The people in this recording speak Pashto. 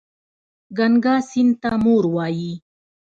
ګنګا سیند ته مور وايي.